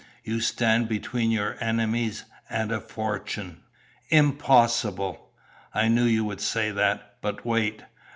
You stand between your enemies and a fortune." "Impossible!" "I knew you would say that. But wait."